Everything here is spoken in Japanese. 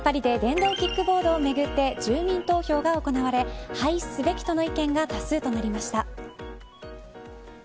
パリで電動キックボードをめぐって、住民投票が行われ廃止すべきとの意見が多数となりました。